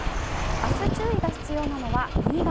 明日、注意が必要なのは新潟。